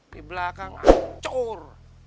di belakang ancur